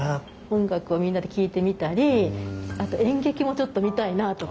音楽をみんなで聴いてみたりあと演劇もちょっと見たいなと。